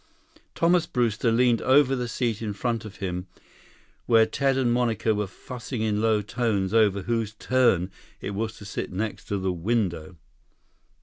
Thomas Brewster leaned over the seat in front of him where Ted and Monica were fussing in low tones over whose turn it was to sit next to the window.